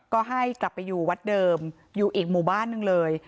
ก็ให้กลับไปอยู่วัดเดิมอยู่อีกหมู่บ้านหนึ่งเลย